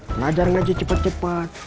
belajar ngaji cepat cepat